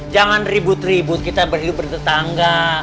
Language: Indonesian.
jangan ribut ribut kita bertetangga